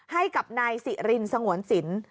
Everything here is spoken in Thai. ให้กับนายสิรินสงวนสิน